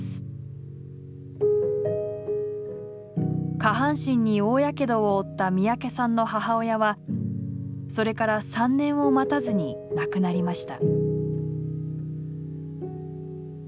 下半身に大やけどを負った三宅さんの母親はそれから３年を待たずに亡くなりました。